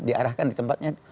diarahkan di tempatnya